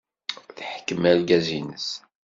Teḥkem argaz-nnes.